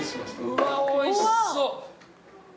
うわおいしそう。